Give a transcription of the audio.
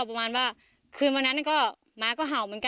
พ่อแบมนี่แหละ